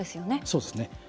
そうですね。